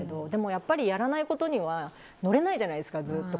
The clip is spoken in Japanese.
やっぱりやらないことには乗れないじゃないですか、ずっと。